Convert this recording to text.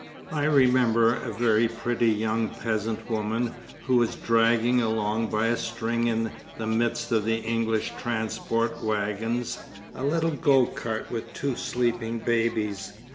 I remember a very pretty young peasant woman, who was dragging along by a string, in the midst of the English transport wagons, a little go cart with two sleeping babies.